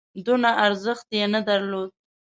دونه ارزښت یې نه درلود.